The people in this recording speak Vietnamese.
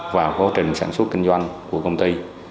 vào quá trình sản xuất kinh doanh của công ty